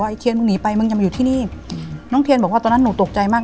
ไอเทียนมึงหนีไปมึงจะมาอยู่ที่นี่น้องเทียนบอกว่าตอนนั้นหนูตกใจมาก